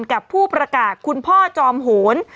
กับผู้ประกาศคุณพ่อจอมโหน